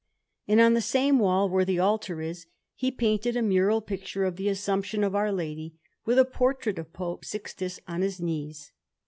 And on the same wall where the altar is he painted a mural picture of the Assumption of Our Lady, with a portrait of Pope Sixtus on his knees.